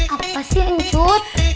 apa sih encut